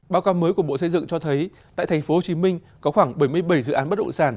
báo cáo mới của bộ xây dựng cho thấy tại tp hcm có khoảng bảy mươi bảy dự án bất động sản